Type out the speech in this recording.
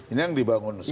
ini yang dibangun sekarang